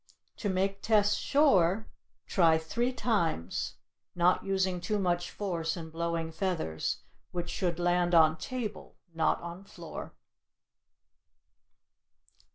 To make test sure, try three times, not using too much force in blowing feathers, which should land on table, not on floor.